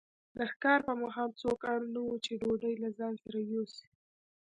د ښکار پر مهال څوک اړ نه وو چې ډوډۍ له ځان سره یوسي.